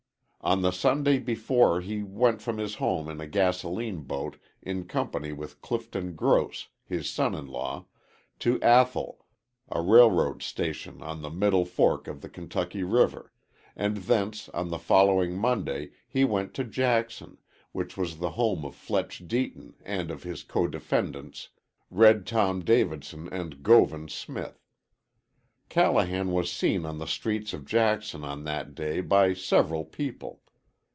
On the Sunday before he went from his home in a gasoline boat in company with Clifton Gross, his son in law, to Athol, a railroad station on the Middle Fork of the Kentucky River, and thence on the following Monday he went to Jackson, which was the home of Fletch Deaton and of his codefendants, Red Tom Davidson and Govan Smith. Callahan was seen on the streets of Jackson on that day by several people.